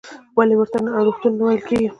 ولې ورته ناروغتون نه ویل کېږي؟